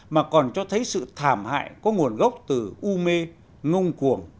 mà còn cho thấy sự thảm hại có nguồn gốc từ u mê ngông cuồng